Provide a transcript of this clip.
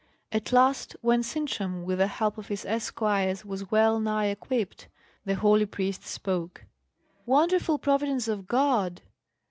At last, when Sintram, with the help of his esquires, was well nigh equipped, the holy priest spoke: "Wonderful providence of God!